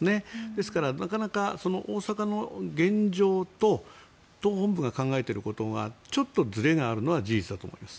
ですからなかなか大阪の現状と党本部が考えていることがちょっとずれがあるのは事実だと思います。